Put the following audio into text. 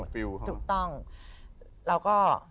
ถูกต้องแล้วก็